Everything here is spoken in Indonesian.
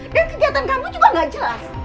dan kegiatan kamu juga nggak jelas